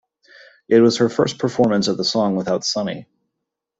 It was her first performance of the song without Sonny.